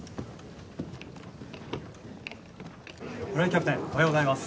村井キャプテンおはようございます。